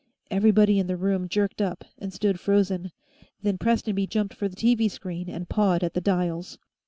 Everybody in the room jerked up and stood frozen, then Prestonby jumped for the TV screen and pawed at the dials.